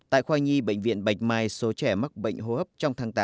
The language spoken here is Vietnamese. tại khoa nhi bệnh viện bạch mai số trẻ mắc bệnh hô hấp trong tháng tám